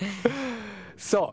そう。